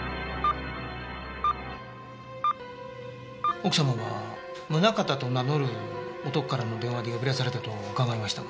奥様は宗形と名乗る男からの電話で呼び出されたと伺いましたが。